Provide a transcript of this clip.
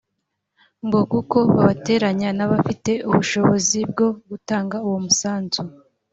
ngo kuko babateranya n’abafite ubushobozi bwo gutanga uwo musanzu